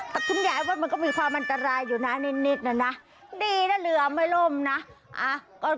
แต่คุณใหญ่ว่ามันก็มีความอันตรายอยู่น้านิดนะดีถ้าเผงเหลือมาไม่ล้มเนี่ย